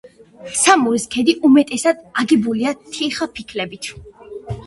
სამურის ქედი უმეტესად აგებულია თიხაფიქლებით.